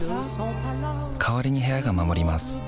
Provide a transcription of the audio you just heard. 代わりに部屋が守ります